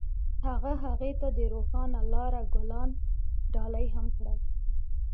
هغه هغې ته د روښانه لاره ګلان ډالۍ هم کړل.